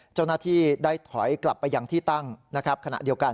เจ้าหน้าที่ได้ถอยกลับไปยังที่ตั้งนะครับขณะเดียวกัน